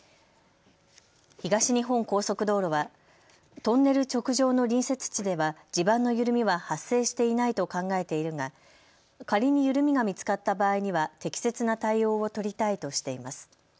東日本高速道路はトンネル直上の隣接地では地盤の緩みは発生していないと考えているが、仮に緩みが見つかった場合には適切な対応を取りたいとしています。